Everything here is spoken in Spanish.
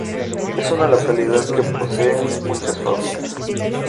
Es una localidad que posee muchas fábricas.